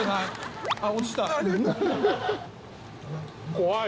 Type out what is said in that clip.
怖い。